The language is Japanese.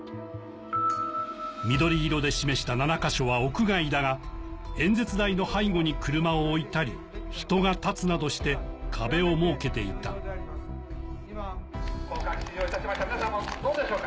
緑色で示した７か所は屋外だが演説台の背後に車を置いたり人が立つなどして壁を設けていた皆さまどうでしょうか？